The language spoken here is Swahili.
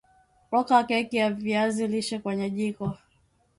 Oka keki ya viazi lishe kwenye jiko